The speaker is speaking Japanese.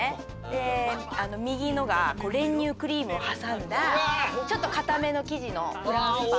で右のが練乳クリームを挟んだちょっと硬めの生地のフランスパンで。